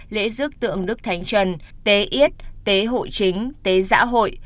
lễ dước tượng đức thánh trần tế yết tế hội chính tế giã hội